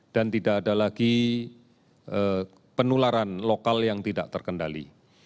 dan tidak ada lagi penularan lokal yang tidak terkendali